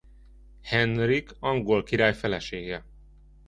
Henrik angol király felesége.